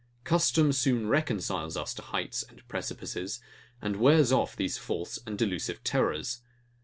Custom soon reconciles us to heights and precipices, and wears off these false and delusive terrors.